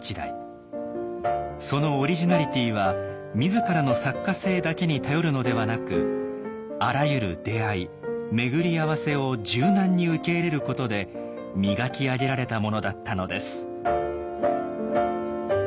そのオリジナリティーは自らの作家性だけに頼るのではなくあらゆる出会い巡り合わせを柔軟に受け入れることで磨き上げられたものだったのです。